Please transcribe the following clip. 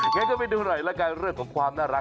งั้นก็ไปดูหน่อยละกันเรื่องของความน่ารัก